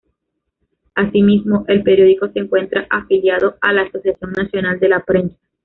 Asimismo, el periódico se encuentra afiliado a la Asociación Nacional de la Prensa.